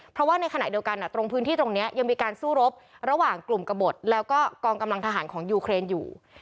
เพราะว่าในขณะเดียวกันตรงพื้นที่ตรงนี้ยังมีการสู้รบระหว่างกลุ่มกระบดแล้วก็กองกำลังทหารของยูเครนอยู่